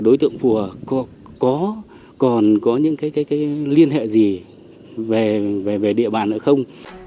đối tượng phùa có còn có những cái cái cái liên hệ gì về về về địa bàn nữa không